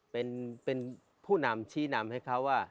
เป็นผู้นำชี้นำให้เขาว่า